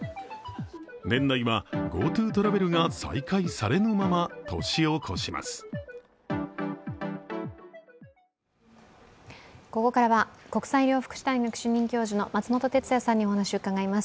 年内はＧｏＴｏトラベルが再開されぬまま年を越します。